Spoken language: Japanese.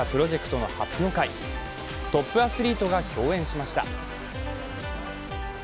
トップアスリートが、共演しました。